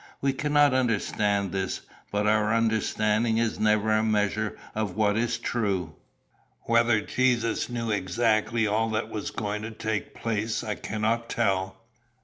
We cannot understand this; but our understanding is never a measure of what is true. "Whether Jesus knew exactly all that was going to take place I cannot tell.